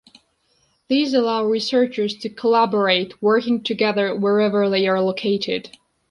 These allow researchers to collaborate, working together wherever they are located.